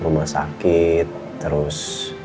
rumah sakit terus